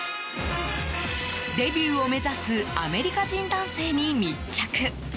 デビューを目指すアメリカ人男性に密着。